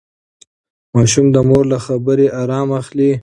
ماشوم د مور له خبرې ارام اخلي.